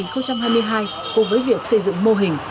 cùng với việc xây dựng mô hình